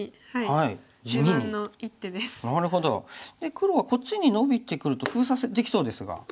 黒はこっちにノビてくると封鎖できそうですが。